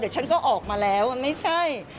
เดี๋ยวฉันก็ออกมาแล้วมันไม่ใช่